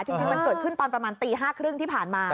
จริงมันเกิดขึ้นตอนประมาณตี๕๓๐ที่ผ่านมา